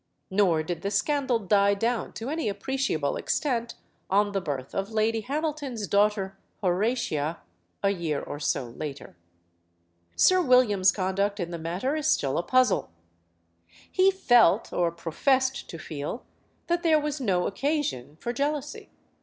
Nor did the scandal die down to any appreciable extent on the birth of Lady Hamilton's daughter, Horatia, a year or so later. Sir William's conduct in the matter is still a puzzle. He felt, or professed to feel, that there was no occasion for jealousy.